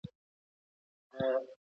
دا د کاميابۍ لاره ده.